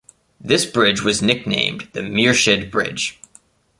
This bridge was nicknamed the "Mierscheid Bridge".